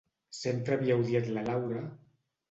Sempre havia odiat la Laura...